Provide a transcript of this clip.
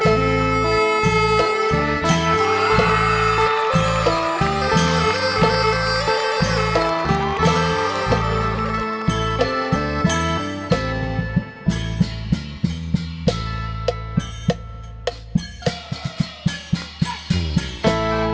เพื่อที่จะมีการความฝัน